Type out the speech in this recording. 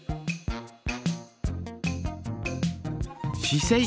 しせい。